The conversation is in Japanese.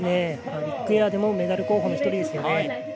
ビッグエアでもメダル候補の１人です。